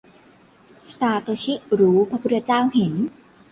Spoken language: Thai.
- ซาโตชิรู้พระพุทธเจ้าเห็น